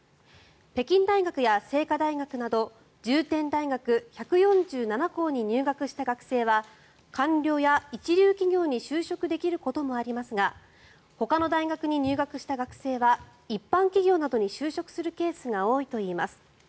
北京大学や清華大学など重点大学１４７校に入学した学生は官僚や一流企業に就職できることもありますがほかの大学に入学した学生は一般企業などに就職するケースが多いといいます。